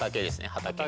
畑。